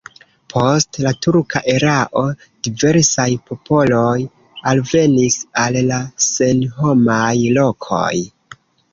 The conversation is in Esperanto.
Post la turka erao diversaj popoloj alvenis al la senhomaj lokoj.